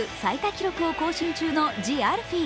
記録を更新中のＴＨＥＡＬＦＥＥ。